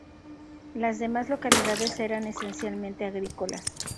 Las demás localidades eran esencialmente agrícolas.